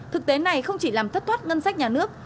thực tế này không chỉ làm thất thoát ngân sách nhà nước